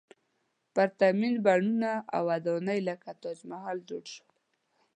پرتمین بڼونه او ودانۍ لکه تاج محل جوړ شول.